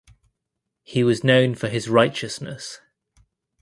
He was known for his righteousness.